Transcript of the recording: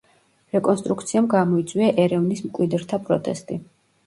რეკონსტრუქციამ გამოიწვია ერევნის მკვიდრთა პროტესტი.